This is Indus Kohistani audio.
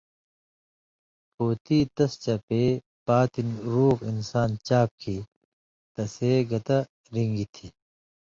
پھوتی تس چپے پاتیُون رُوغ انسان چاپ کھیں تسے گتہ رِن٘گیۡ تھی۔